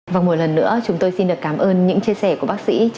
và một lần nữa chúng tôi xin được cảm ơn những chia sẻ của bác sĩ